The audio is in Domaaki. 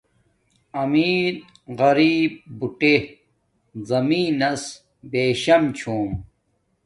امیر غریپ بُوٹے زمین نس بیشم چھوم